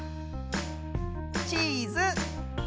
チーズ。